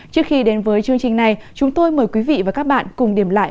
trước khi đến với chương trình này chúng tôi mời quý vị và các bạn cùng điểm lại